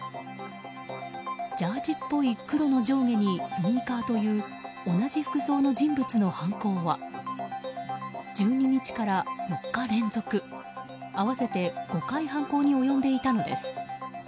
ジャージーっぽい黒の上下にスニーカーという同じ服装の人物の犯行は１２日から４日連続合わせて５回犯行に及んでいたのです。